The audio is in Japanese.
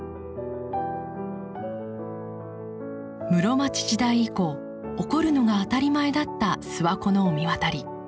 室町時代以降起こるのが当たり前だった諏訪湖の御神渡り。